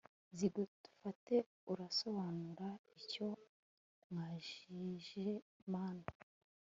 zigufate urasobanura icyo mwajijije mama